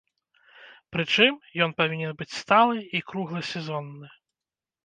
Прычым, ён павінен быць сталы і кругласезонны.